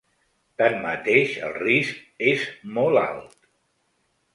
Tanmateix, el risc és molt alt.